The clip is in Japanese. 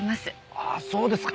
ああそうですか。